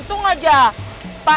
ini ada apa